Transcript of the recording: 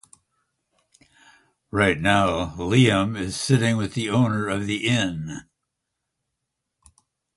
Right now, Liam is sitting with the owner of the inn.